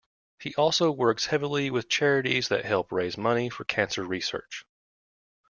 He also works heavily with charities that help raise money for cancer research.